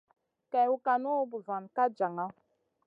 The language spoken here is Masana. Kèwn kànu, buzuwan ka jaŋa.